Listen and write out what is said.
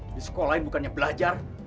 di sekolah ini bukannya belajar